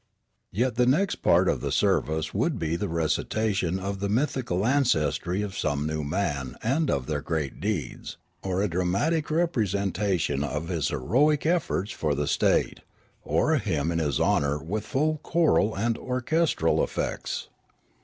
Yet the next part of the service would be a recitation of the mythical ancestry of some new man and of their great deeds, or a dramatic representation of his heroic efforts for the state, or a hymn in his honour with full choral or orchestral effects.